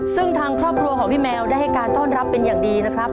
ซึ่งทางครอบครัวของพี่แมวได้ให้การต้อนรับเป็นอย่างดีนะครับ